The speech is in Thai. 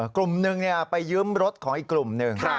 กลุ่มหนึ่งไปยืมรถของอีกกลุ่มหนึ่ง